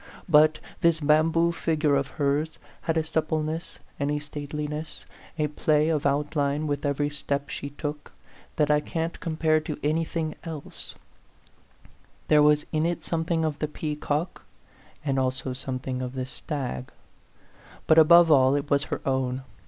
A PHANTOM LOVER. 85 But this bamboo figure of hers had a supple ness and a stateliness, a play of outline with every step she took, that I can't compare to anything else ; there was in it something of the peacock and something also of the stag ; but above all, it was her own.